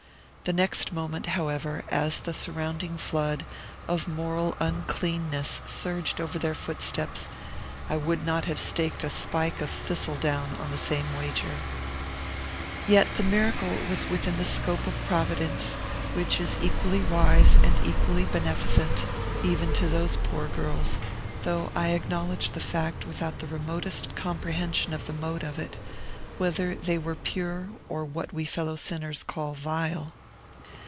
The next moment, however, as the surrounding flood of moral uncleanness surged over their footsteps, I would not have staked a spike of thistle down on the same wager. Yet the miracle was within the scope of Providence, which is equally wise and equally beneficent (even to those poor girls, though I acknowledge the fact without the remotest comprehension of the mode of it), whether they were pure or what we fellow sinners call vile.